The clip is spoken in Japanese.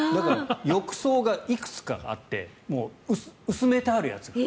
浴槽がいくつかあって薄めてあるやつ。